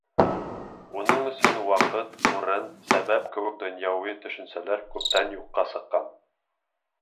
Уның өсөн ваҡыт, урын, сәбәп кеүек донъяуи төшөнсәләр күптән юҡҡа сыҡҡан.